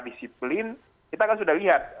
disiplin kita kan sudah lihat